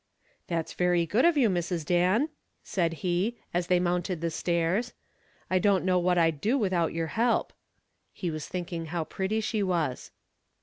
"That's very good of you, Mrs. Dan," said he, as they mounted the stairs. "I don't know what I'd do without your help." He was thinking how pretty she was.